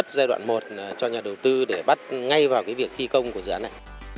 chúng tôi sẽ bắt đầu đất giai đoạn một cho nhà đầu tư để bắt ngay vào việc thi công của dự án này